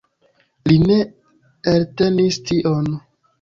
Li ne eltenis tion.